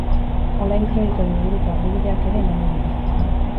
Online kredituen inguruko argibideak ere emango dituzte.